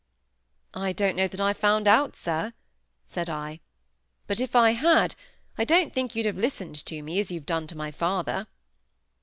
"I don't know that I found out, sir," said I. "But if I had, I don't think you'd have listened to me, as you have done to my father."